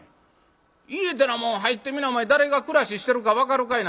家てなもん入ってみなお前誰が暮らししてるか分かるかいな」。